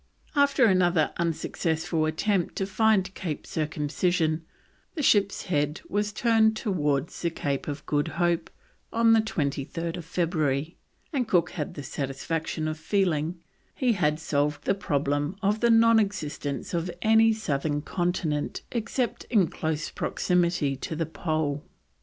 After another unsuccessful attempt to find Cape Circumcision, the ship's head was turned towards the Cape of Good Hope on 23rd February, and Cook had the satisfaction of feeling he had solved the problem of the non existence of any southern continent except in close proximity to the Pole.